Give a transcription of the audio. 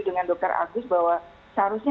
dengan dokter agus bahwa seharusnya